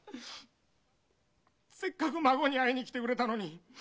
せっかく孫に会いに来てくれたのに。